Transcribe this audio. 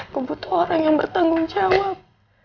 aku butuh orang yang bertanggung jawab